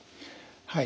はい。